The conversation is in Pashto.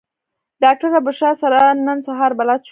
ډاکټره بشرا سره نن سهار بلد شوم.